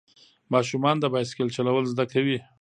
ماشومان د بایسکل چلول زده کوي.